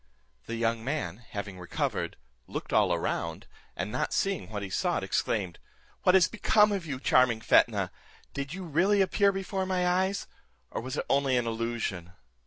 The young man having recovered, looked all around, and not seeing what he sought, exclaimed, "What is become of you, charming Fetnah? Did you really appear before my eyes, or was it only an illusion?"